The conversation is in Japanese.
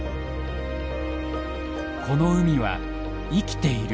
「この海は生きている」。